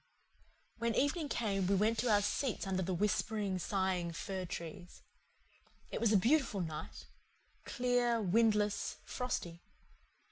When evening came we went to our seats under the whispering, sighing fir trees. It was a beautiful night clear, windless, frosty.